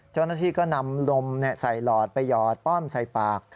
เจ้าหน้าที่ก็นำลมใส่หลอดไปหยอดป้อมใส่ปาก